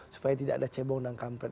supaya tidak ada cebong dan kampret